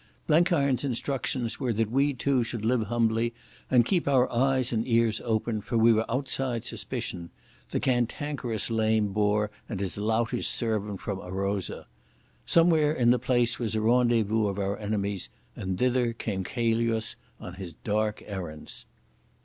Blenkiron's instructions were that we two should live humbly and keep our eyes and ears open, for we were outside suspicion—the cantankerous lame Boer and his loutish servant from Arosa. Somewhere in the place was a rendezvous of our enemies, and thither came Chelius on his dark errands.